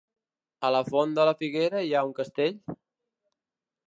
A la Font de la Figuera hi ha un castell?